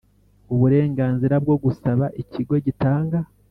uburenganzira bwo gusaba Ikigo gitanga